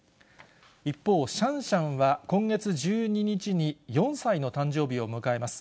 一方、シャンシャンは今月１２日に４歳の誕生日を迎えます。